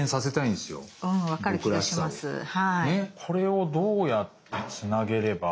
これをどうやってつなげれば。